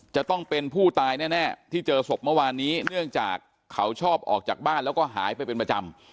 จะต้องเป็นผู้ตายแน่ที่เจอศพเมื่อวานนี้เนื่องจากเขาชอบออกจากบ้านแล้วก็หายไปเป็นประจำ